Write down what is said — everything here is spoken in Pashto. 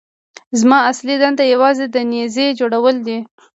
زما اصلي دنده یوازې د نيزې جوړول دي.